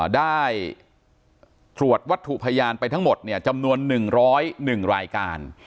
ได้ตรวจวัตถุพยานไปทั้งหมดจำนวน๑๐๑รายการ